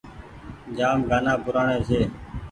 جآم گآنآ پرآني ڇي ۔